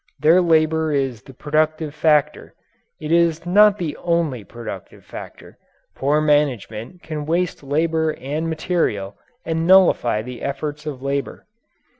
Their labour is the productive factor. It is not the only productive factor poor management can waste labour and material and nullify the efforts of labour.